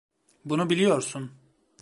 Bunu biliyorsun.